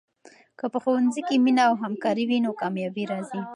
که په ښوونځي کې مینه او همکاري وي، نو کامیابي راځي.